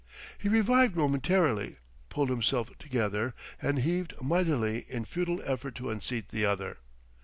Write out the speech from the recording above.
He revived momentarily, pulled himself together, and heaved mightily in futile effort to unseat the other.